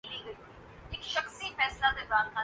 ہمارے ہاں انصاف اور جمہوریت کا حال۔